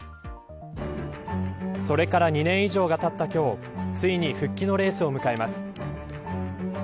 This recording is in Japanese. それから２年以上がたった今日ついに復帰のレースを迎えます。